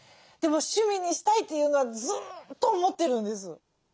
でも趣味にしたいというのはずっと思ってるんです。